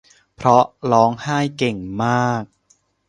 เพราะร้องไห้เก่งมาก